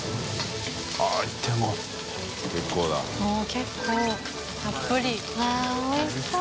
結構たっぷりわぁおいしそう。